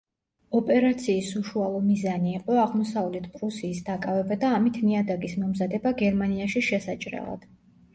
ოპერაციის უშუალო მიზანი იყო აღმოსავლეთ პრუსიის დაკავება და ამით ნიადაგის მომზადება გერმანიაში შესაჭრელად.